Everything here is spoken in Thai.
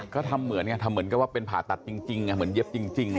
ก็ทำเหมือนกันทำเหมือนกับว่าเป็นผ่าตัดจริงเหมือนเย็บจริง